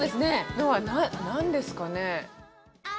のは何ですかね？